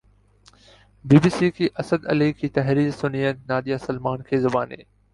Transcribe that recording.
be B C کے اسد علی کی تحریر سنیے نادیہ سلیمان کی زبانی